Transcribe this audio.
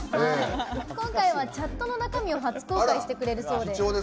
今回はチャットの中身を初公開してくれるそうです。